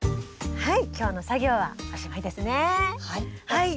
はい。